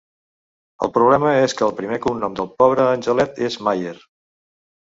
El problema és que el primer cognom del pobre angelet és Mayer.